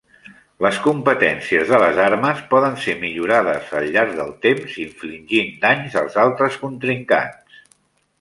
Les competències de les armes poden ser millorades al llarg del temps infligint danys als altres contrincants.